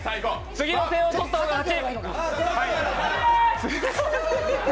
次の点を取った方が勝ち。